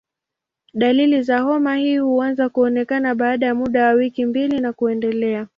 Dalili za homa hii huanza kuonekana baada ya muda wa wiki mbili na kuendelea.